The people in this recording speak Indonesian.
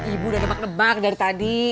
ibu udah tebak tebak dari tadi